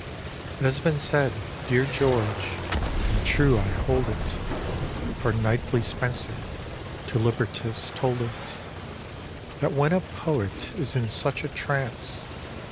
It has been said, dear George, and true I hold it, (For knightly Spenser to Libertas told it,) That when a Poet is in such a trance.